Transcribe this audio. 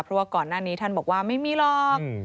เพราะว่าก่อนหน้านี้ท่านบอกว่าไม่มีหรอก